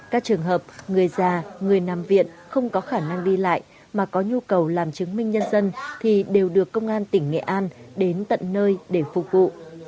các trường hợp người già người nằm viện không có khả năng đi lại mà có nhu cầu làm chứng minh nhân dân thì đều được công an tỉnh nghệ an đến tận nơi để phục vụ